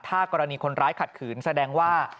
ถ้ากรณีคนร้ายขัดขืนแสดงว่า